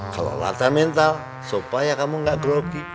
kalau latihan mental supaya kamu gak grogi